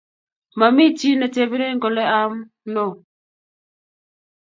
Mami chii netebenen kole am noo